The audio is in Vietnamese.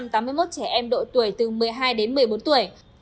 ba mươi bảy hai trăm tám mươi một trẻ em độ tuổi từ một mươi hai đến một mươi bốn tuổi